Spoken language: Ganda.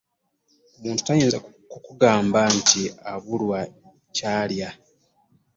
Omuntu tayinza ku kukugamba nti abulwa kyalya .